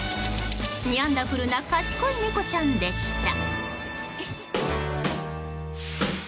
ニャンダフルな賢い猫ちゃんでした。